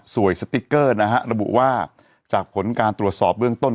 สติ๊กเกอร์นะฮะระบุว่าจากผลการตรวจสอบเบื้องต้น